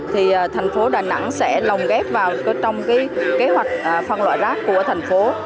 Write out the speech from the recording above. thì thành phố đà nẵng sẽ lồng ghép vào trong kế hoạch phân loại rác của thành phố